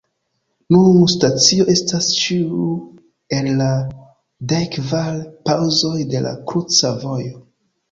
Nun stacio estas ĉiu el la dekkvar paŭzoj de la kruca vojo.